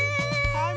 はい。